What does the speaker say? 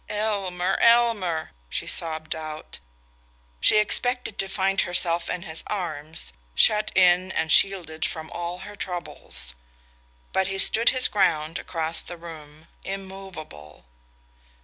"Elmer Elmer " she sobbed out. She expected to find herself in his arms, shut in and shielded from all her troubles; but he stood his ground across the room, immovable.